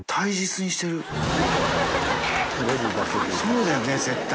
そうだよね絶対。